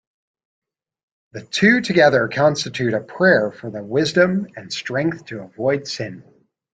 The two together constitute a prayer for the wisdom and strength to avoid sin.